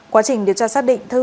quá trình điều tra xác định